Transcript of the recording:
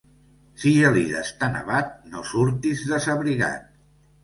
Si Gelida està nevat, no surtis desabrigat.